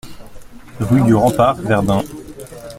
Rue du Rempart, Verdun